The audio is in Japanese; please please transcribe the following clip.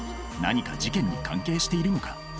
何か事件に関係しているのか？